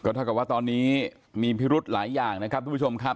ก็ถ้ากลับมาตอนนี้มีมีพิรุธหลายอย่างนะครับทุกพี่ชมครับ